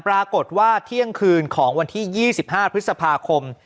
ปรากฏว่าเที่ยงคืนของวันที่๒๕พฤษภาคม